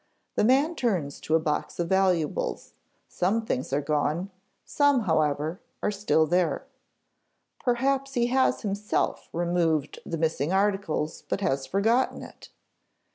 The man turns to a box of valuables; some things are gone; some, however, are still there. Perhaps he has himself removed the missing articles, but has forgotten it.